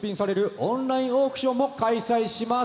オンラインオークションも開催します。